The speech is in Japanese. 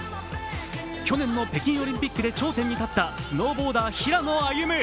去年の北京オリンピックで頂点に立ったスノーボーダー、平野歩夢。